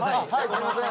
すいません。